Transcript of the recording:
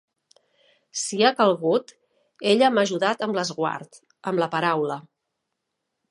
Si ha calgut, ella m’ha ajudat amb l’esguard, amb la paraula.